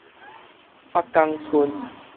北港村